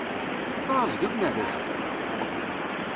Teεεuẓgeḍ neɣ d acu?